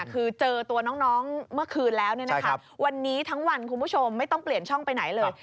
คือเจอตัวน้องเมื่อคืนแล้ววันนี้ทั้งวันคุณผู้ชมไม่ต้องเปลี่ยนช่องไปไหนเลย